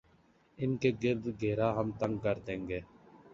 ان کے گرد گھیرا ہم تنگ کر دیں گے۔